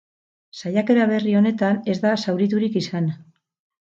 Saiakera berri honetan ez da zauriturik izan.